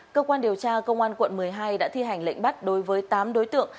cơ quan điều tra công an quận một mươi hai đã thi hành lệnh bắt đối với tám đối tượng